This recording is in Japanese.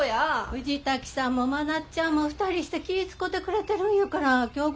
藤滝さんも真夏ちゃんも２人して気ぃ遣うてくれてるんやから今日ぐらいは行きますよ。